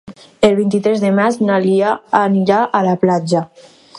El vint-i-tres de maig na Lia anirà a la platja.